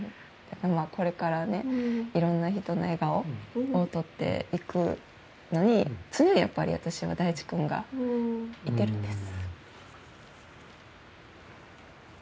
これからね色んな人の笑顔を撮っていくのに常にやっぱり私は大地くんがいてるんです